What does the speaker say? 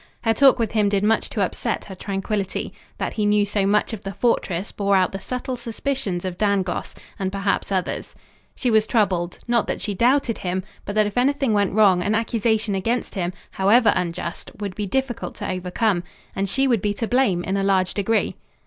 Her talk with him did much to upset her tranquillity. That he knew so much of the fortress bore out the subtle suspicions of Dangloss and perhaps others. She was troubled, not that she doubted him, but that if anything went wrong an accusation against him, however unjust, would be difficult to overcome. And she would be to blame, in a large degree.